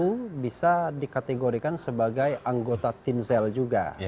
pembedaan aktif itu bisa dikategorikan sebagai anggota timsel juga